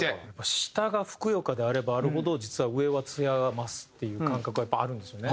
下がふくよかであればあるほど実は上はつやが増すっていう感覚はやっぱりあるんですよね。